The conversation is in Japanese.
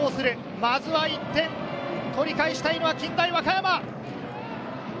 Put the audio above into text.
まずは１点取り返したいのは近大和歌山。